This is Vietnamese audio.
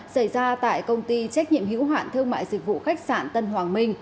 xảy ra tại công ty trách nhiệm hiểu hoạn thương mại dịch vụ khách sạn tân hoàng minh